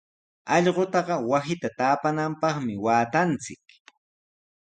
Allqutaqa wasita taapananpaqmi waatanchik.